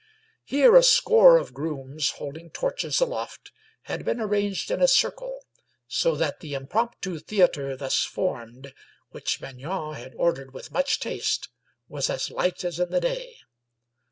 Here, a score of grooms holding torches aloft had been arranged in a circle so that the impromptu theater thus formed, which Maignan had ordered with much taste, was as light as in the day.